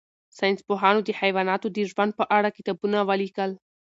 ساینس پوهانو د حیواناتو د ژوند په اړه کتابونه ولیکل.